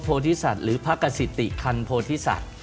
พวทิศัทธ์หรือพระกสิติคัณฑ์พวทิศัทธ์